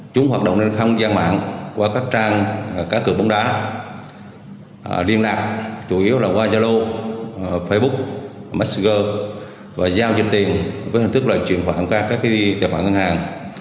chúng hoạt động trên không gian mạng qua các trang cá cửa bóng đá liên lạc chủ yếu là qua zalo facebook messenger và giao dịch tiền với hình thức là truyền khoản các tài khoản ngân hàng